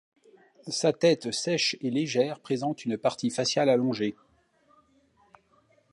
Sa tête sèche et légère présente une partie faciale allongée.